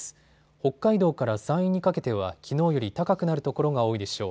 北海道から山陰にかけてはきのうより高くなる所が多いでしょう。